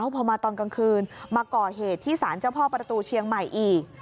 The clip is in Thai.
พอมาตอนกลางคืนมาก่อเหตุที่สารเจ้าพ่อประตูเชียงใหม่อีก